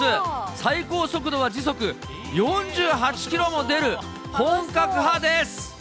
最高速度は時速４８キロも出る本格派です。